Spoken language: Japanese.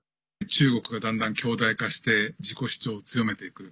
中国が、だんだん強大化して自己主張を強めていく。